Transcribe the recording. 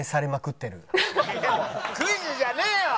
クイズじゃねえよ！